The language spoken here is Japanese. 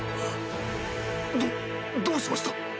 どどうしました？